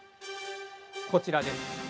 ◆こちらです。